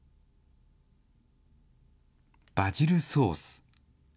バジルソース。